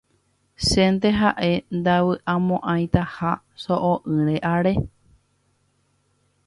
Chénte ha'e ndavy'amo'ãitaha so'o'ỹre are.